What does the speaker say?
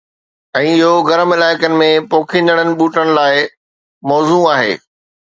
۽ اهو گرم علائقن ۾ پوکيندڙ ٻوٽن لاءِ موزون آهي